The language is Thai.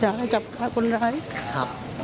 อยากให้จับคนร้ายครับ